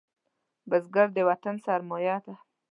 بزګر د وطن سرمايه ده